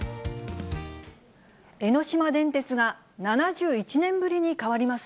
江ノ島電鉄が７１年ぶりに変わります。